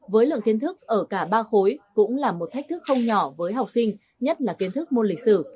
với lượng kiến thức ở cả ba khối cũng là một thách thức không nhỏ với học sinh nhất là kiến thức môn lịch sử